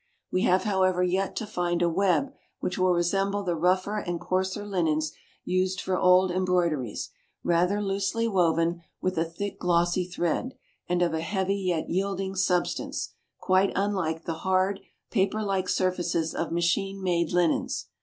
We have, however, yet to find a web which will resemble the rougher and coarser linens used for old embroideries, rather loosely woven, with a thick glossy thread, and of a heavy yet yielding substance, quite unlike the hard paper like surfaces of machine made linens.